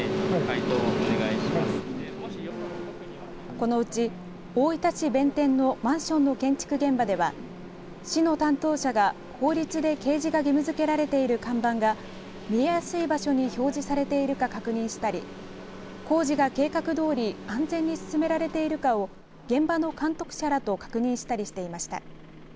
このうち大分市弁天のマンションの建築現場では市の担当者が法律で掲示が義務付けられている看板が見やすい場所に表示されているかを確認したり工事が計画どおり安全に進められているかを現場の監督者らと確認したりしていました。